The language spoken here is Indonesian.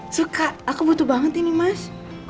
suka aku butuh banget ini mas